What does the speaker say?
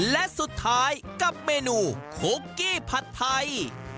และสุดท้ายกับเมนูคุกกี้ผัดไทย